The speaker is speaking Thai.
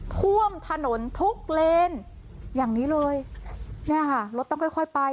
ท่วมถนนทุกเลนอย่างนี้เลยเนี่ยค่ะรถต้องค่อยค่อยไป